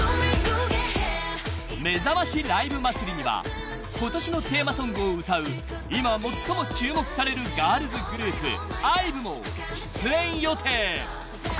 ［めざましライブ祭りには今年のテーマソングを歌う今最も注目されるガールズグループＩＶＥも出演予定］